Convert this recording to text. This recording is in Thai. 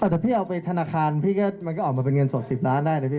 อาจจะพี่เอาไปธนาคารมันก็ออกมาเป็นเงินสดสิบล้านได้นะพี่